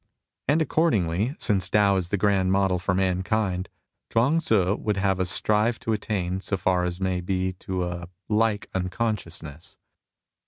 And accordingly, since Tao is the grand model for mankind, Chuang Tzu would have us strive to attain so far as may be to a like uncon sciousness.